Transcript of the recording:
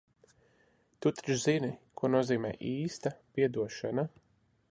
Tu taču zini, ko nozīmē īsta piedošana?